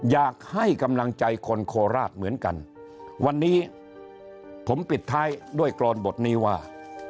อยากให้กำลังใจคนโคราชเหมือนกันวันนี้ผมปิดท้ายด้วยกรอนบทนี้ว่า